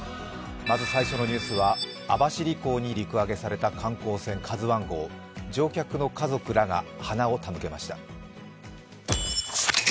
まず最初のニュースは網走港に陸揚げされた観光船「ＫＡＺＵⅠ」号乗客の家族らが花を手向けました。